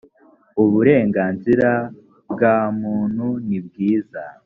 uburenganzira bwamuntu nibwiza